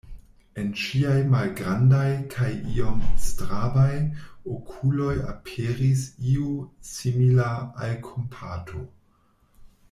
En ŝiaj malgrandaj kaj iom strabaj okuloj aperis io simila al kompato.